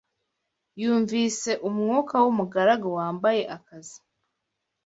Yunvise umwuka wumugaragu wambaye akazi